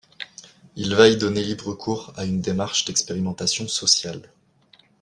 Il va y donner libre cours à une démarche d’expérimentation sociale.